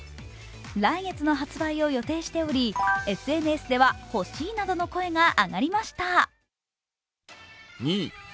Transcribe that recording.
来月の発売を予定しており、ＳＮＳでは欲しいなどの声が上がりました。